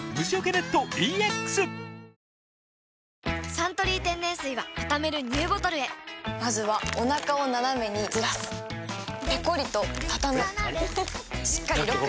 「サントリー天然水」はたためるＮＥＷボトルへまずはおなかをナナメにずらすペコリ！とたたむしっかりロック！